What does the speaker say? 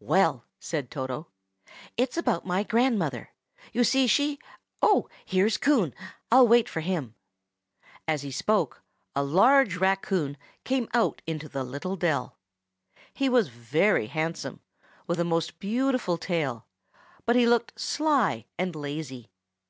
"Well," said Toto, "it's about my grandmother. You see, she—oh! here's Coon! I'll wait for him." As he spoke, a large raccoon came out into the little dell. He was very handsome, with a most beautiful tail, but he looked sly and lazy.